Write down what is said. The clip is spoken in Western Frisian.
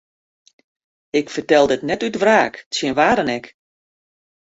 Ik fertel dit net út wraak tsjin wa dan ek.